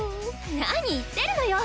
何言ってるのよ。